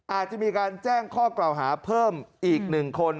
อาจจะมีการแจ้งข้อกล่าวหาเพิ่มอีก๑คน